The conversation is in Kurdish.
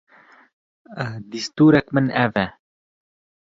distûrek min ev e.